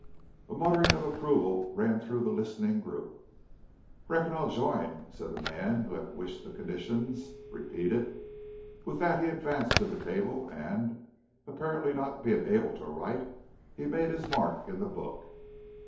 A muttering of approval ran through the listening group. "Reckon I'll join," said the man who had wished the conditions repeated. With that he advanced to the table and, apparently not being able to write, he made his mark in the book.